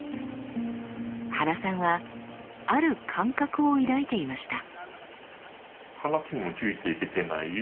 原さんはある感覚を抱いていました。